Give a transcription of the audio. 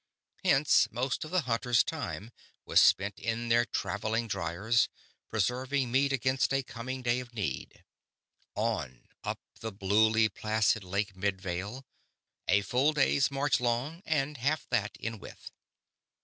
Hence most of the hunters' time was spent in their traveling dryers, preserving meat against a coming day of need. On, up the bluely placid Lake Midvale, a full day's march long and half that in width.